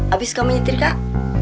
abis kamu nyetirkan